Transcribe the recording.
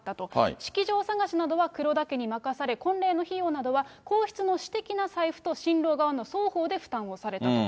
式場探しなどは黒田家に任され、婚礼の費用などは皇室の私的な財布と新郎側の双方で負担をされたと。